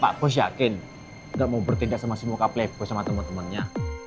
pak bos yakin gak mau bertindak sama semua kap lepas sama temen temennya